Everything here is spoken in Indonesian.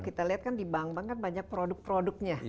kita lihat kan di bank bank kan banyak produk produknya